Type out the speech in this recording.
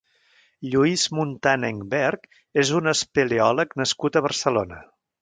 Lluís Muntan Engberg és un espeleòleg nascut a Barcelona.